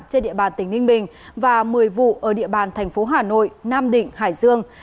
trên địa bàn tỉnh ninh bình và một mươi vụ ở địa bàn thành phố hà nội nam định hải dương